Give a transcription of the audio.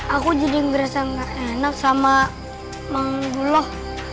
aku jadi merasa enak sama mengguluh